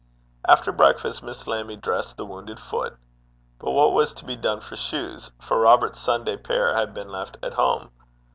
After breakfast Miss Lammie dressed the wounded foot. But what was to be done for shoes, for Robert's Sunday pair had been left at home?